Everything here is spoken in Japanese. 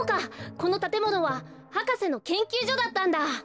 このたてものは博士のけんきゅうじょだったんだ！